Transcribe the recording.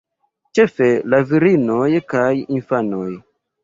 Ĉefe la virinoj kaj infanoj.